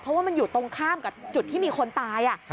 เพราะว่ามันอยู่ตรงข้ามกับจุดที่มีคนตาย